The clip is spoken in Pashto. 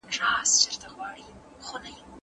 هغه خپل عزت وساتی او خلکو ته ښه مثال سو.